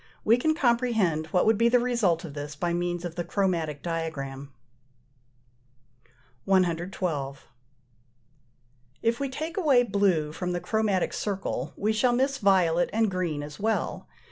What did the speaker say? We can comprehend what would be the result of this by means of the chromatic diagram. 112. If we take away blue from the chromatic circle we shall miss violet and green as well.